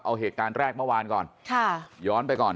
เอาเหตุการณ์แรกเมื่อวานก่อนค่ะย้อนไปก่อน